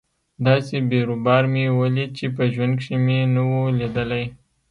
داسې بيروبار مې وليد چې په ژوند کښې مې نه و ليدلى.